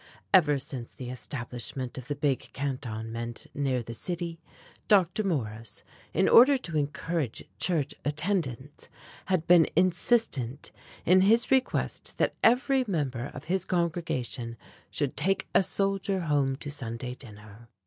Ever since the establishment of the big Cantonment near the city, Dr. Morris, in order to encourage church attendance, had been insistent in his request that every member of his congregation should take a soldier home to Sunday dinner.